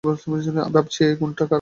ভাবছি, এই গুণটা ও কার থেকে পেয়েছে?